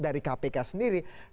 dari kpk sendiri